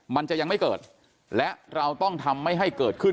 มันจะยังไม่เกิดและเราต้องทำไม่ให้เกิดขึ้น